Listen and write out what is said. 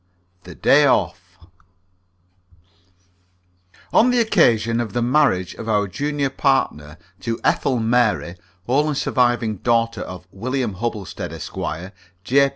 THE DAY OFF On the occasion of the marriage of our junior partner to Ethel Mary, only surviving daughter of William Hubblestead, Esq., J.